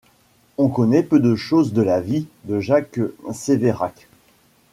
On connait peu de chose de la vie de Jacques Séverac.